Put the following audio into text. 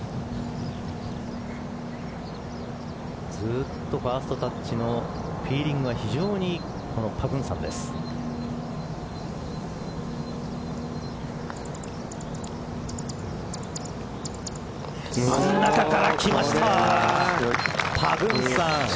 ずっとファーストタッチのフィーリングが非常にいいパグンサンです。